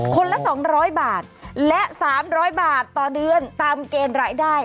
ละ๒๐๐บาทและ๓๐๐บาทต่อเดือนตามเกณฑ์รายได้